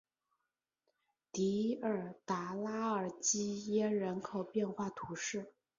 迪尔达拉尔基耶人口变化图示